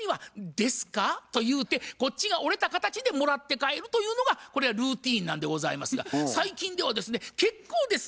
「ですか？」と言うてこっちが折れた形でもらって帰るというのがこれがルーティーンなんでございますが最近ではですね「結構です」